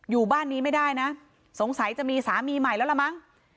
อยู่บ้านนี้ไม่ได้นะสงสัยจะมีสามีใหม่แล้วล่ะมั้ง